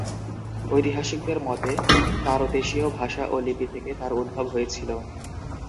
ঐতিহাসিকদের মতে তারতেশীয় ভাষা ও লিপি থেকে তার উদ্ভব হয়েছিল।